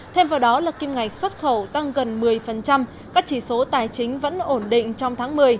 thêm vào đó là kim ngạch xuất khẩu tăng gần một mươi các chỉ số tài chính vẫn ổn định trong tháng một mươi